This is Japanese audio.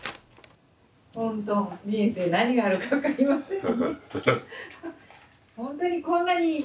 ほんと人生何があるか分かりませんね。